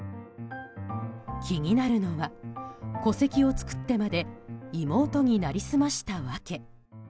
気になるのは戸籍を作ってまで妹に成り済ました訳。